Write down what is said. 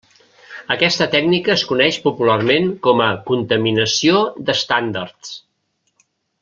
Aquesta tècnica es coneix popularment com a "contaminació d'estàndards".